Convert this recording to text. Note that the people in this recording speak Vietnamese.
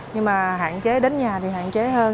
nhưng mà hạn chế đến nhà thì hạn chế hơn